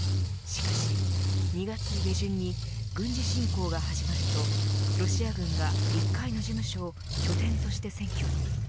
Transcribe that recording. しかし２月下旬に軍事侵攻が始まるとロシア軍が１階の事務所を拠点として占拠。